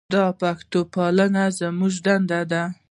د پښتو پالل زموږ دنده ده.